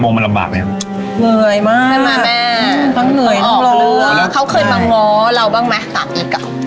เหนื่อยมากมาแม่อืมทั้งเหนื่อยน้ำเราะเรือเขาเคยมาง้อเราบ้างมั้ยตามอีกอ่ะ